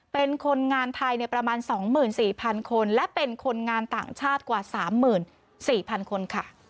เป็นคนงานไทยประมาณ๒๔๐๐คนและเป็นคนงานต่างชาติกว่า๓๔๐๐๐คนค่ะ